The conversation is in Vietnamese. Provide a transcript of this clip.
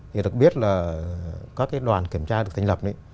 thì đặc biệt là các cái đoàn kiểm tra được thành lập